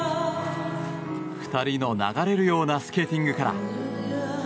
２人の流れるようなスケーティングから。